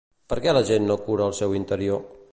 Perquè la gent no cura el seu interior?